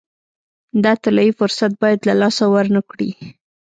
دا طلایي فرصت باید له لاسه ورنه کړي.